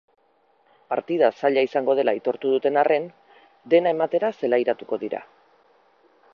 Partida zaila izango dela aitortu duten arren, dena ematera zelairatuko dira.